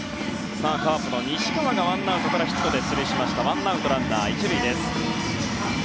カープの西川がワンアウトからヒットで出塁してワンアウト、ランナー１塁です。